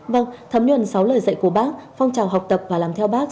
vâng thấm nhuần sáu lời dạy của bác phong trào học tập và làm theo bác